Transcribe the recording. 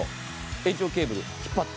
延長ケーブルを引っ張って。